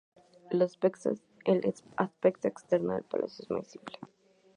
El aspecto externo del palacio es muy simple.